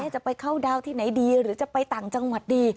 จะไปเข้าดาวน์ที่ไหนดีหรือจะไปต่างจังหวัดดี